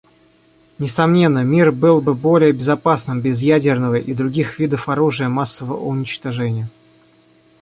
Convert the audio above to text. Несомненно, мир был бы более безопасным без ядерного и других видов оружия массового уничтожения.